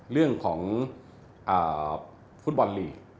เรื่องของฟุตบอลลีก